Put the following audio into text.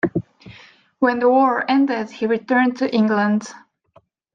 When the war ended he returned to England.